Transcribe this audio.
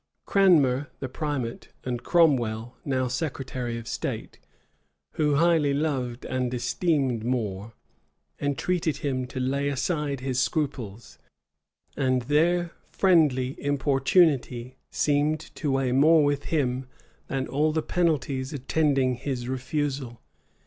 Cramner, the primate, and Cromwell, now secretary of state, who highly loved and esteemed More, entreated him to lay aside his scruples; and their friendly importunity seemed to weigh more with him than all the penalties attending his refusal.